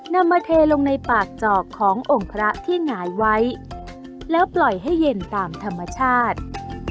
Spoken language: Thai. นำมาเทลงในปากจอกขององค์พระที่หงายไว้แล้วปล่อยให้เย็นตามธรรมชาติ